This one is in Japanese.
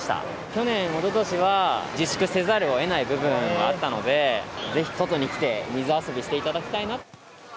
去年、おととしは自粛せざるをえない部分もあったので、ぜひ外に来て、水遊びしていただきたいなと。